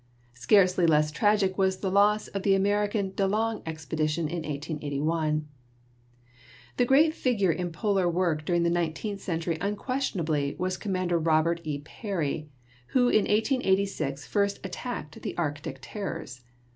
Scarcely less tragic was the loss of the American De Long expedition in 1 881. The great figure in Polar work during the nineteenth century unquestionably was Commander Robt. E. Peary, who in 1886 first attacked the Arctic terrors.